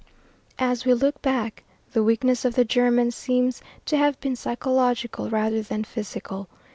As we look back, the weakness of the Germans seems to have been psychological rather than physical.